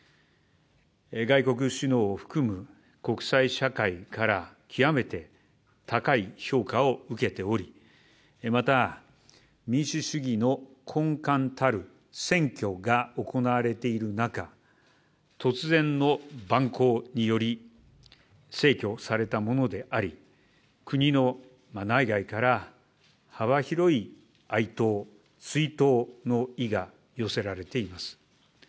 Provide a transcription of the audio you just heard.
外国首脳を含む、国際社会から、極めて高い評価を受けており、また、民主主義の根幹たる選挙が行われている中、突然の蛮行により、逝去されたものであり、国の内外から、幅広い哀悼、追悼の意が寄せられています。